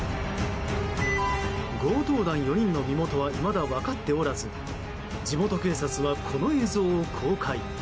強盗団４人の身元はいまだ分かっておらず地元警察はこの映像を公開。